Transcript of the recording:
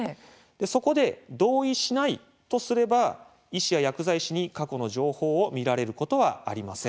そこで「同意しない」とすれば医師や薬剤師に、過去の情報を見られることはありません。